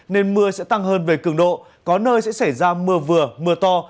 nên mưa sẽ tăng hơn về cường độ có nơi sẽ xảy ra mưa vừa mưa to